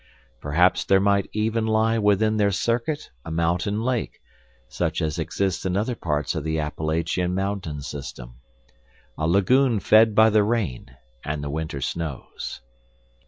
Perhaps there might even lie within their circuit a mountain lake, such as exists in other parts of the Appalachian mountain system, a lagoon fed by the rain and the winter snows.